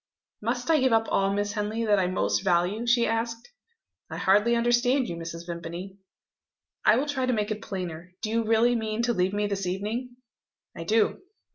"Must I give up all, Miss Henley, that I most value?" she asked. "I hardly understand you, Mrs. Vimpany." "I will try to make it plainer. Do you really mean to leave me this evening?" "I do."